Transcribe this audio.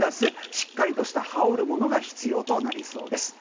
しっかりとした羽織るものが必要となりそうです。